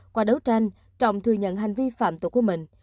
qua đấu tranh trọng thừa nhận hành vi phạm tội của mình